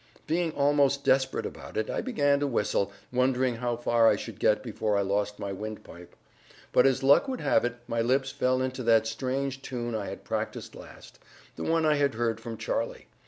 Being almost desperate about it, I began to whistle, wondering how far I should get before I lost my windpipe; and as luck would have it, my lips fell into that strange tune I had practiced last; the one I had heard from Charlie.